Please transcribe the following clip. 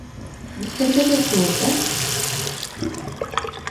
Үткәндәге кеүек, ә?